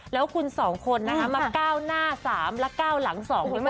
แล้วคุณสองคนนะคะมาก้าวหน้าสามและก้าวหลังสองดีกว่า